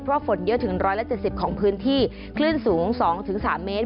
เพราะฝนเยอะถึง๑๗๐ของพื้นที่คลื่นสูง๒๓เมตร